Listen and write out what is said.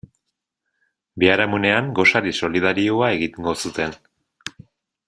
Biharamunean gosari solidarioa egingo zuten.